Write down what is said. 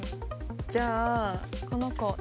じゃあこの子。